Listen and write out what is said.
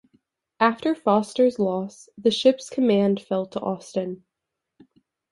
After Foster's loss, the ship's command fell to Austin.